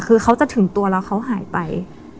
คือเขาจะถึงตัวแล้วเขาหายไป